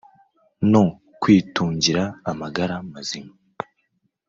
no kwitungira amagara mazima